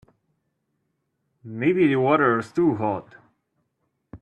Maybe the water was too hot.